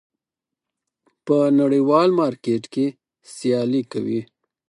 په نړیوال مارکېټ کې سیالي کوي.